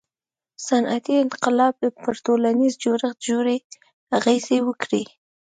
• صنعتي انقلاب پر ټولنیز جوړښت ژورې اغیزې وکړې.